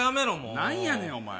なんやねん、お前。